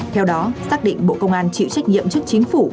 theo đó xác định bộ công an chịu trách nhiệm trước chính phủ